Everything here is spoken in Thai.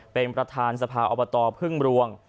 เป็นประธานสภาอบตพึ่งรวง